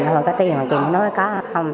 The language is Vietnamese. nói cái tiền chị muốn nói có không